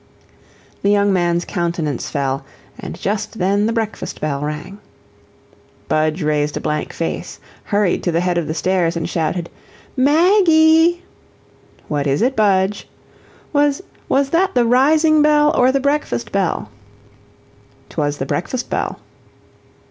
The young man's countenance fell, and just then the breakfast bell rang. Budge raised a blank face, hurried to the head of the stairs and shouted: "Maggie?" "What is it, Budge?" "Was was that the rising bell or the breakfast bell?" "'Twas the breakfast bell."